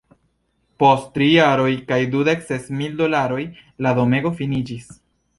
Post tri jaroj kaj dudek ses mil dolaroj, la domego finiĝis.